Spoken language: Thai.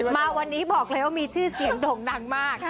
มาวันนี้บอกเลยว่ามีชื่อเสียงโด่งดังมาก